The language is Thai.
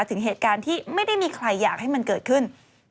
ถึงเหตุการณ์ที่ไม่ได้มีใครอยากให้มันเกิดขึ้น